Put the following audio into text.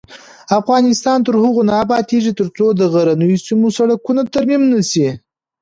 افغانستان تر هغو نه ابادیږي، ترڅو د غرنیو سیمو سړکونه ترمیم نشي.